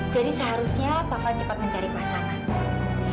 jadi seharusnya taufan cepat mencari pasangan